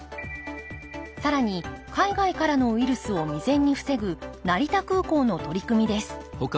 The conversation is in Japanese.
更に海外からのウイルスを未然に防ぐ成田空港の取り組みです